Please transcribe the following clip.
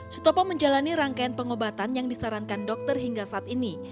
sutopo menjalani rangkaian pengobatan yang disarankan dokter hingga saat ini